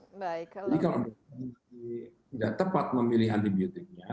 jadi kalau tidak tepat memilih antibiotiknya